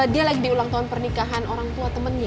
dia lagi di ulang tahun pernikahan orang tua temannya